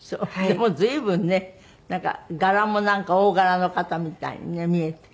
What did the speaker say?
でも随分ね柄もなんか大柄の方みたいに見えて。